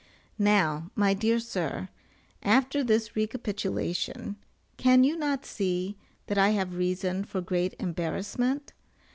Now, my dear sir, after this recapitulation, can you not see that I have reason for great embarrassment?